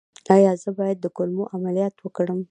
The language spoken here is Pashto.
ایا زه باید د کولمو عملیات وکړم؟